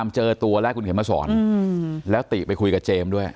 เจอตัวแล้วคุณเข็มมาสอนแล้วติไปคุยกับเจมส์ด้วย